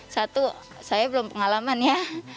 satu saya belum pengalaman ya